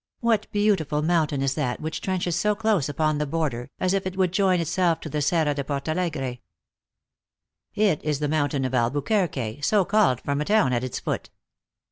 " What beautiful mountain is that which trenches so close upon the border, as if it would join itself to the Serra de Portal egre?" " It is the mountain of Albuquerque, so called from a town at its foot."